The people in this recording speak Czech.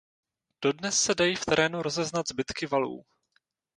Dodnes se dají v terénu rozeznat zbytky valů.